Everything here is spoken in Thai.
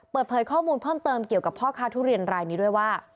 เปิดเผยข้อมูลเพิ่มเติมเกี่ยวกับพ่อค้าทุเรียนรายนี้ด้วยว่า